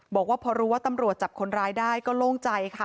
บอกว่าพอรู้ว่าตำรวจจับคนร้ายได้ก็โล่งใจค่ะ